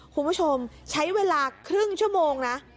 คุณผู้ชมใช้เวลาครึ่งชั่วโมงนะ